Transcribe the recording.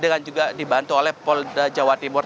dengan juga dibantu oleh polda jawa timur